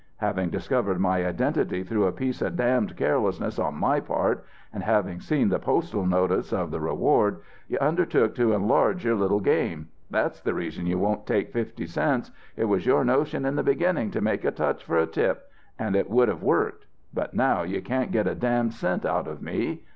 Having discovered my identity through a piece of damned carelessness on my part and having seen the postal notice of the reward, you undertook to enlarge your little game. That's the reason you wouldn't take fifty cents. It was your notion in the beginning to make a touch for a tip. And it would have worked. But now you can't get a damned cent out of me.'